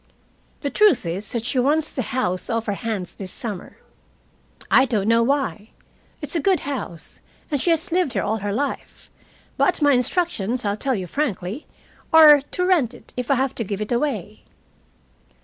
The truth is that she wants the house off her hands this summer. I don't know why. It's a good house, and she has lived here all her life. But my instructions, I'll tell you frankly, are to rent it, if I have to give it away."